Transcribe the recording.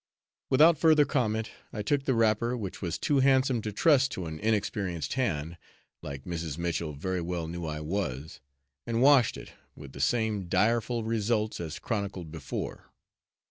Without further comment, I took the wrapper, which was too handsome to trust to an inexperienced hand, like Mrs. Mitchell very well knew I was, and washed it, with the same direful results as chronicled before.